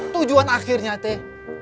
tujuan akhirnya teh